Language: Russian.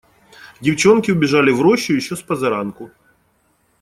Девчонки убежали в рощу еще спозаранку.